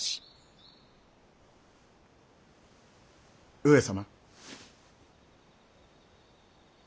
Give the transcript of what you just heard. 上様。